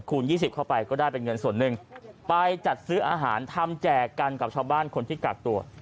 ๒๐เข้าไปก็ได้เป็นเงินส่วนหนึ่งไปจัดซื้ออาหารทำแจกกันกับชาวบ้านคนที่กักตัว